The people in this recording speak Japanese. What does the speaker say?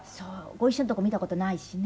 ご一緒のとこ見た事ないしね。